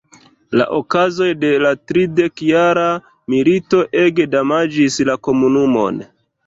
La okazoj de la Tridekjara milito ege damaĝis la komunumon.